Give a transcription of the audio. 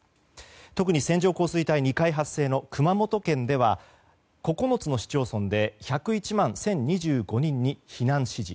特に線状降水帯が２回発生の熊本県では、９つの市町村で１０１万１２５０人に避難指示。